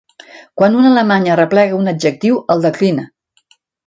Quan un alemany arreplega un adjectiu, el declina.